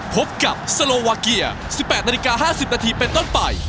พบกับสโลวาเกียร์๑๘นาฬิกา๕๐นาทีเป็นต้นไป